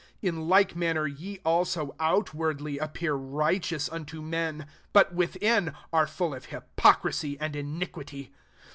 28 In like manner ye also, outwardly, appear right eous unto men, but within are full of hypocrisy and iniquity.